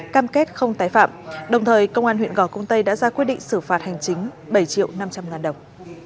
cam kết không tái phạm đồng thời công an huyện gò công tây đã ra quyết định xử phạt hành chính bảy triệu năm trăm linh ngàn đồng